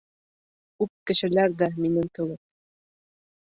Күп кешеләр ҙә минең кеүек.